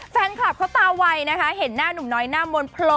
แฟนคลับเขาตาไวนะคะเห็นหน้าหนุ่มน้อยหน้ามนต์โผล่